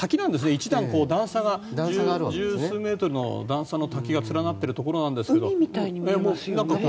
１段、段差が１０数メートルの段差の滝が連なっているところですが。